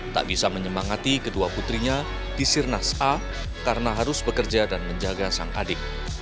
tak bisa menyemangati kedua putrinya di sirnas a karena harus bekerja dan menjaga sang adik